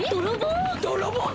どろぼう？